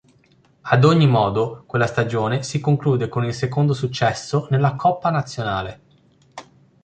Ad ogni modo quella stagione si conclude con il secondo successo nella Coppa nazionale.